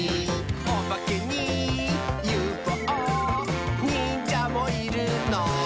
「オバケにＵＦＯにんじゃもいるの？」